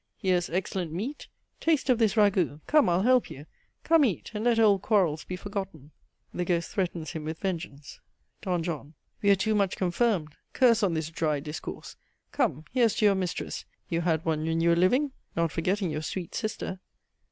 Here's excellent meat, taste of this ragout. Come, I'll help you, come eat, and let old quarrels be forgotten. (The ghost threatens him with vengeance.) "D. JOHN. We are too much confirmed curse on this dry discourse. Come, here's to your mistress, you had one when you were living: not forgetting your sweet sister.